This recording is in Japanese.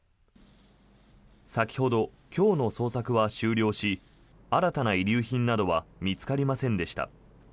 先ほど、今日の捜索は終了し新たな遺留品などは見つかりませんでした。